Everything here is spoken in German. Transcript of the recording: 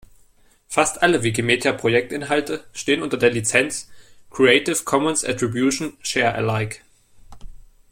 Fast alle Wikimedia-Projektinhalte stehen unter der Lizenz "Creative Commons Attribution Share Alike".